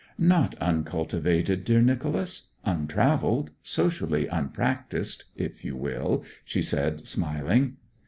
'Not uncultivated, dear Nicholas. Untravelled, socially unpractised, if you will,' she said, smiling.